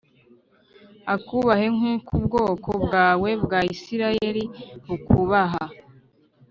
akubahe nk’uko ubwoko bwawe bwa Isirayeli bukubaha